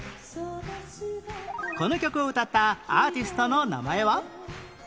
この曲を歌ったアーティストの名前は？